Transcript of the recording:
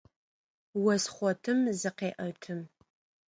Ос хъотым зыкъеӏэты.